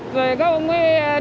các ông ấy lấn làn các ông ấy vượt